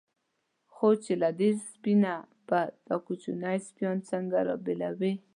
خو چې له دې سپۍ نه به دا کوچني سپیان څنګه را بېلوي.